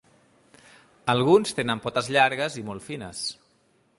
Alguns tenen potes llargues i molt fines.